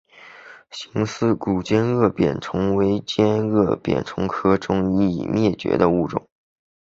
似形古尖腭扁虫为尖腭扁虫科中一个已灭绝的物种。